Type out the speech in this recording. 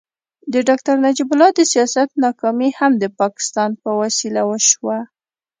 د ډاکټر نجیب الله د سیاست ناکامي هم د پاکستان په وسیله وشوه.